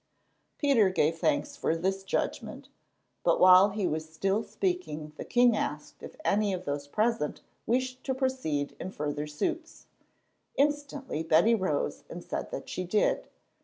Peter began to give thanks for this judgment; but while he was still speaking the king asked if any of those present wished to proceed in further suits. Instantly Betty rose and said that she did.